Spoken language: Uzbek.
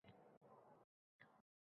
Shu sohani ichida yurganlar biladi